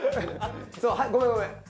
そうごめんごめん。